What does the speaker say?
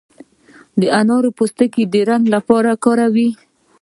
د انارو پوستکي د رنګ لپاره کاروي.